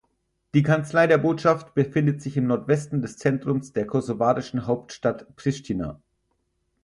Die Kanzlei der Botschaft befindet sich im Nordwesten des Zentrums der kosovarischen Hauptstadt Pristina.